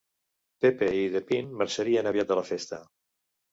Pepe i De Pin marxarien aviat de la festa.